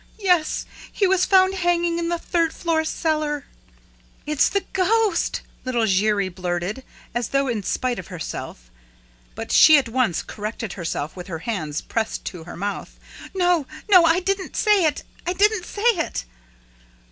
"Yes, he was found hanging in the third floor cellar!" "It's the ghost!" little Giry blurted, as though in spite of herself; but she at once corrected herself, with her hands pressed to her mouth: "No, no! I, didn't say it! I didn't say it!